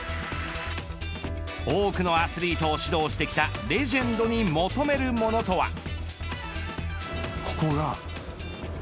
多くのアスリートを指導してきたレジェンドに求めるものとは。